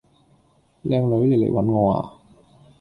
靚女，你嚟搵我呀